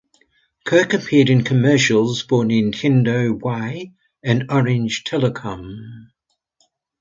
Kirk appeared in commercials for Nintendo Wii and Orange Telecom.